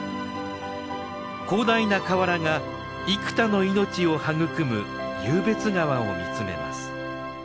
広大な河原が幾多の命を育む湧別川を見つめます。